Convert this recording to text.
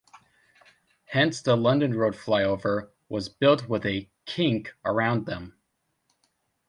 Hence the London Road flyover was built with a 'kink' around them.